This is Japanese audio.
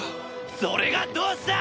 それがどうした！